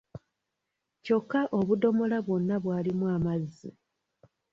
Kyokka obudomola bwonna bwalimu amazzi.